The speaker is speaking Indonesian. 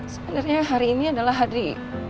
sebenarnya hari ini adalah hari